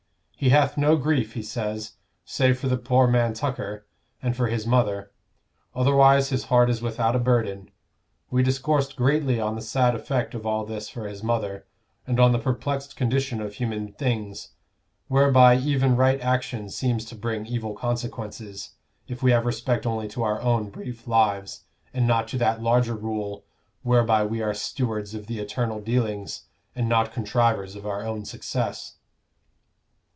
He hath no grief, he says, save for the poor man Tucker, and for his mother; otherwise his heart is without a burden. We discoursed greatly on the sad effect of all this for his mother, and on the perplexed condition of human things, whereby even right action seems to bring evil consequences, if we have respect only to our own brief lives, and not to that larger rule whereby we are stewards of the eternal dealings, and not contrivers of our own success."